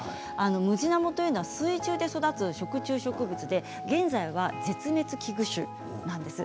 ムジナモというのは水中で育つ食虫植物で現在は絶滅危惧種なんです。